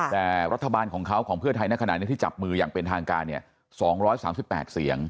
แต่รัฐบาลของเขาของเพื่อไทยในขณะนี้ที่จับมืออย่างเป็นทางการ๒๓๘เสียง